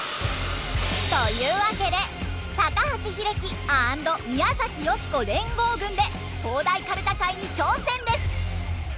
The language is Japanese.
というわけで高橋英樹アンド宮崎美子連合軍で東大かるた会に挑戦です！